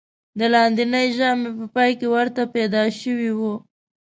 د لاندېنۍ ژامې په پای کې ورته پیدا شوی و.